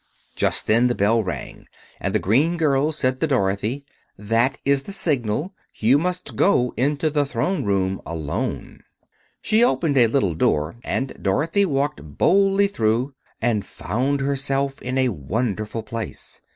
Just then a bell rang, and the green girl said to Dorothy, "That is the signal. You must go into the Throne Room alone." She opened a little door and Dorothy walked boldly through and found herself in a wonderful place.